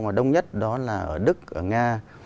và đông nhất đó là ở đức ở nga